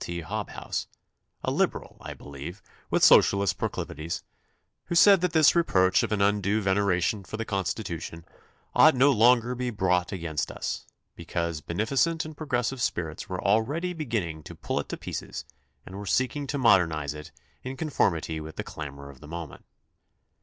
T. Hob house), a Liberal, I believe, with Socialist proclivities, who said that this reproach of an undue veneration for the Constitution ought no longer to be brought against us, because beneficent and progressive spirits were al ready beginning to pull it to pieces and were seeking to modernize it in conformity with the clamor of the moment.